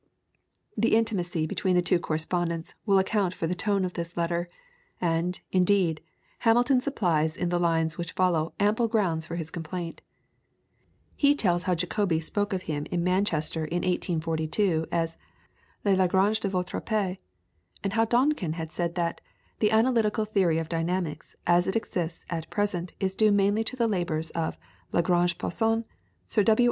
'" The intimacy between the two correspondents will account for the tone of this letter; and, indeed, Hamilton supplies in the lines which follow ample grounds for his complaint. He tells how Jacobi spoke of him in Manchester in 1842 as "le Lagrange de votre pays," and how Donkin had said that, "The Analytical Theory of Dynamics as it exists at present is due mainly to the labours of La Grange Poisson, Sir W.